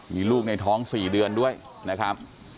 มีลูกในท้อง๔เดือนด้วยนะครับ